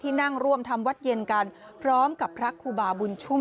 นั่งร่วมทำวัดเย็นกันพร้อมกับพระครูบาบุญชุ่ม